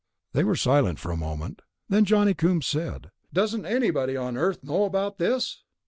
They were silent for a moment. Then Johnny Coombs said, "Doesn't anybody on Earth know about this?"